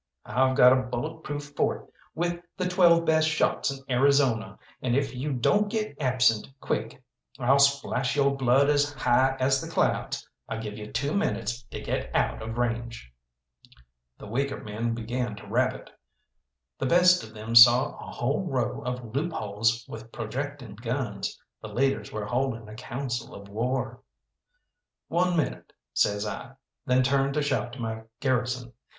I've got a bullet proof fort with the twelve best shots in Arizona, and if you don't get absent quick I'll splash yo' blood as high as the clouds. I give you two minutes to get out of range." The weaker men began to rabbit, the best of them saw a whole row of loopholes with projecting guns, the leaders were holding a council of war. "One minute!" says I, then turned to shout to my garrison.